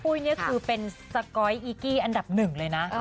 นี่คือเป็นสก๊อยอีกกี้อันดับหนึ่งเลยนะ